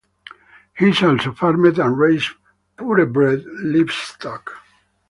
He also farmed and raised purebred livestock.